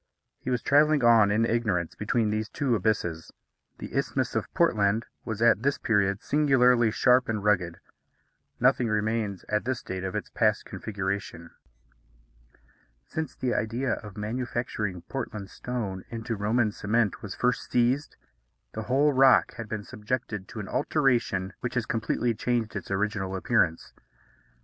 He was travelling on, in ignorance, between these two abysses. The Isthmus of Portland was at this period singularly sharp and rugged. Nothing remains at this date of its past configuration. Since the idea of manufacturing Portland stone into Roman cement was first seized, the whole rock has been subjected to an alteration which has completely changed its original appearance.